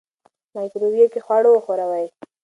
مایکروویو کې خواړه وښوروئ.